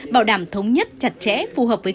bảo đảm thống nhất chặt chẽ phù hợp với